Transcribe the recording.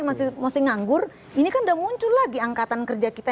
masih nganggur ini kan udah muncul lagi angkatan kerja kita